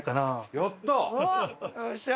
よっしゃー！